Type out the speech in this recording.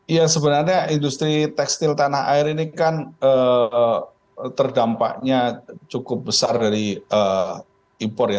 ya sebenarnya industri tekstil tanah air ini kan terdampaknya cukup besar dari impor ya